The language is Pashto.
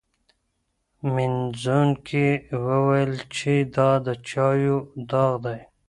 مینځونکي وویل چي دا د چایو داغ دی.